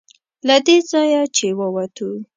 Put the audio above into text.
له دې ځایه چې ووتو.